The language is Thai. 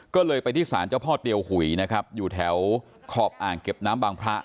ก็เลยไปที่ศาลเจ้าพ่อเตียวหุยนะครับอยู่แถวขอบอ่างเก็บน้ำบางพระ